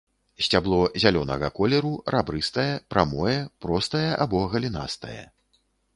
Сцябло зялёнага колеру рабрыстае, прамое, простае або галінастае.